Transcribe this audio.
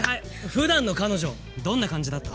普段の彼女どんな感じだった？